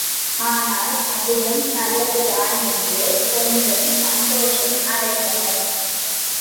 ஆனால் அதுவும் நல்லது தான் என்று கொஞ்சம் சந்தோஷம் அடைந்தனர்.